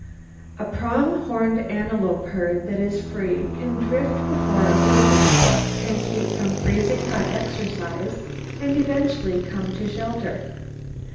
A prong horned antelope herd that is free can drift before a blizzard, can keep from freezing by the exercise, and eventually come to shelter.